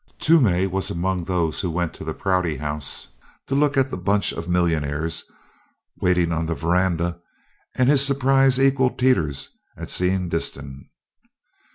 Toomey was among those who went to the Prouty House to look at the "bunch of millionaires" waiting on the veranda, and his surprise equalled Teeters' at seeing Disston.